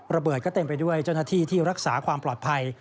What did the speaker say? ระเบิดก็เต็มไปด้วยเจ้าหน้าที่ที่รักษาความปลอดภัย